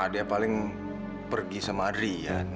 dia paling pergi sama adrian